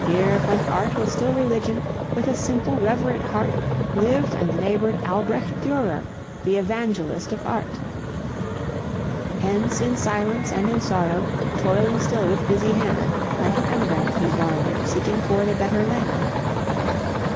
Here, when Art was still religion, with a simple, reverent heart Lived and labored Albrecht Durer, the Evangelist of Art; Hence in silence and in sorrow, toiling still with busy hand, Like an emigrant he wandered seeking for the Better Land.